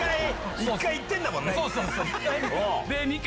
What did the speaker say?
１回行ってんだもんね。